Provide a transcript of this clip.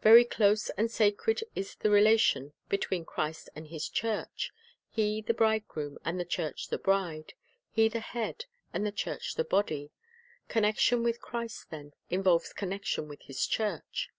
Very close and sacred is the relation between Christ and His church, — He the bridegroom, and the church the bride; He the head, and the church the body. Connection with Christ, then, involves connection with His church.